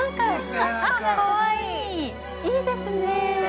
◆いいですねーー。